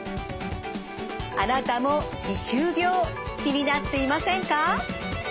あなたも歯周病気になっていませんか？